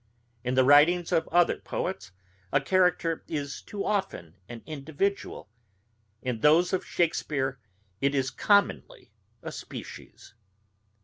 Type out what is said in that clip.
In the writings of other poets a character is too often an individual; in those of Shakespeare it is commonly a species.